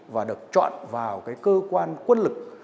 và được chọn vào cái cơ quan quân lực